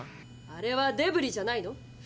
あれはデブリじゃないの？